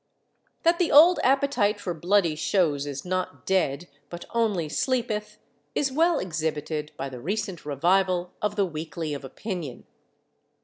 That the old appetite for bloody shows is not dead but only sleepeth is well exhibited by the recent revival of the weekly of opinion.